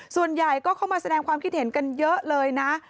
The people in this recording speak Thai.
ส่วนใหญ่ก็เข้ามาแสดงความคิดเห็นกันเยอะเลยนะ